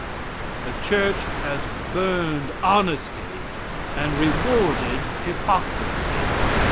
The church has burned honesty and rewarded hypocrisy.